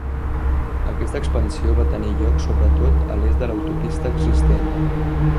Aquesta expansió va tenir lloc sobretot a l'est de l'autopista existent.